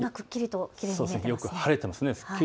よく晴れています。